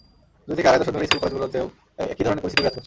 দুই থেকে আড়াই দশক ধরে স্কুল-কলেজগুলোতেও একই ধরনের পরিস্থিতি বিরাজ করছে।